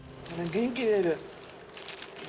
元気出る？